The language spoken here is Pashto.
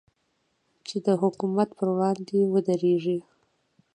چې د حکومت پر وړاندې ودرېږي.